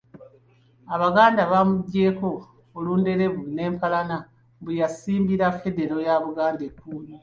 Abaganda bamuggyeko olunderebu n’empalana mbu y'asiimbira Federo ya Buganda ekkuuli.